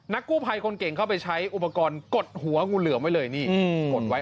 กู้ภัยคนเก่งเข้าไปใช้อุปกรณ์กดหัวงูเหลือมไว้เลยนี่กดไว้